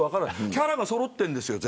キャラがそろっているんです。